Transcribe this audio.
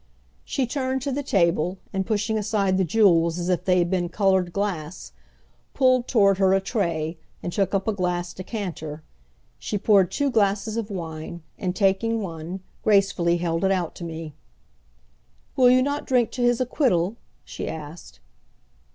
She turned to the table and, pushing aside the jewels as if they had been colored glass, pulled toward her a tray, and took up a glass decanter. She poured two glasses of wine, and taking one, gracefully held it out to me. "Will you not drink to his acquittal?" she asked.